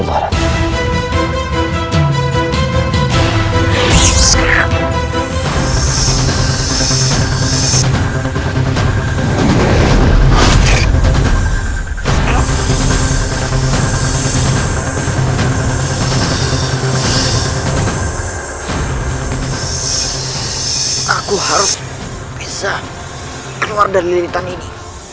aku harus bisa keluar dari lintan ini